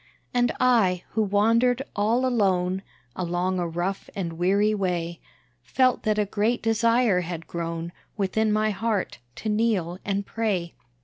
And I, who wandered all alone, Along a rough and weary way, Felt that a great desire had grown Within my heart, to kneel and pray.